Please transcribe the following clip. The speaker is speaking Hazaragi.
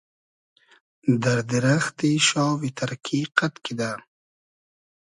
دئر دیرئختی شاوی تئرکی قئد کیدۂ